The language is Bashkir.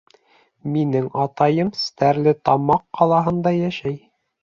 Минең атайым Стәрлетамаҡ ҡалаһында йәшәй.